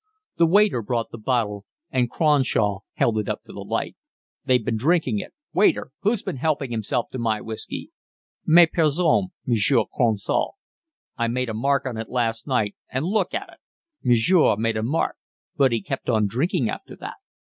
The waiter brought the bottle, and Cronshaw held it up to the light. "They've been drinking it. Waiter, who's been helping himself to my whiskey?" "Mais personne, Monsieur Cronshaw." "I made a mark on it last night, and look at it." "Monsieur made a mark, but he kept on drinking after that.